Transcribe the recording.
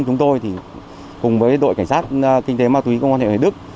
chúng tôi cùng với đội cảnh sát kinh tế ma túy công an huyện hoài đức